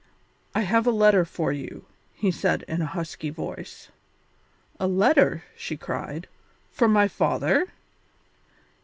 "I have a letter for you," he said, in a husky voice. "A letter?" she cried, "from my father?"